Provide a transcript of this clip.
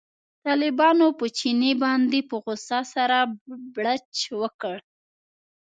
طالبانو په چیني باندې په غوسه سره بړچ وکړ.